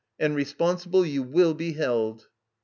And re sponsible you will be held."